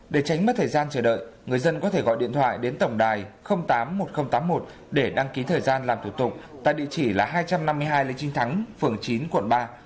để tránh mất thời gian chờ đợi người dân có thể gọi điện thoại đến tổng đài tám mươi một nghìn tám mươi một để đăng ký thời gian làm thủ tục tại địa chỉ là hai trăm năm mươi hai lê trinh thắng phường chín quận ba